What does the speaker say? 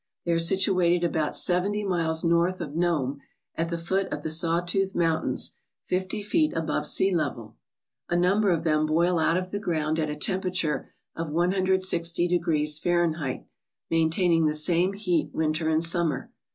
They are situated about seventy miles north of Nome, at the foot of the Saw Tooth Moun tains, fifty feet above sea level. A number of them boil out of the ground at a temperature of 160 degrees Fahren heit, maintaining the same heat winter and summer.